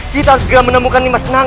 kita harus segera menemukan nimas kenanga